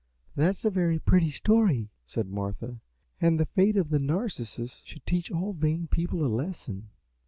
"That is a very pretty story," said Martha, "and the fate of Narcissus should teach all vain people a lesson."